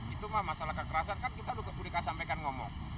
itu masalah kekerasan kan kita sudah kebuddhika sampaikan ngomong